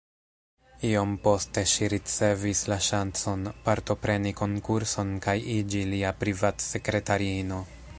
Iom poste ŝi ricevis la ŝancon, partopreni konkurson kaj iĝi lia privat-sekretariino.